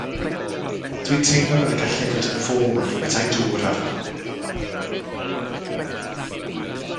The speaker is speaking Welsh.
Dw i'n teimlo fel y gallai fod yn fôr, petai dŵr arno.